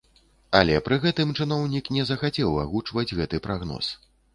Але пры гэтым чыноўнік не захацеў агучваць гэты прагноз.